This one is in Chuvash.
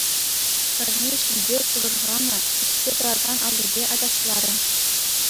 Хӗрне ҫилпе кушӑрханӑ, типсе тӑракан аллипе ачашларӗ.